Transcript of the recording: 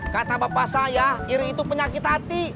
kata bapak saya iri itu penyakit hati